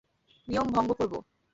নিয়ম ভঙ্গ করব।